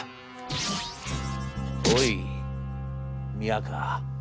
『おい宮河。